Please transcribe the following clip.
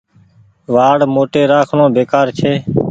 وآڙ موٽي رآکڻو بيڪآر ڇي ۔